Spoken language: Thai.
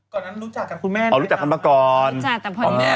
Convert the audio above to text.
ก่อนนั้นรู้จักกับคุณแม่